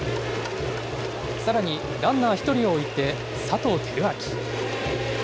さらにランナー１人を置いて、佐藤輝明。